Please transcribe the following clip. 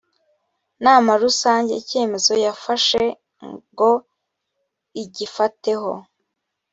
nama rusange icyemezo yafashe ngo igifateho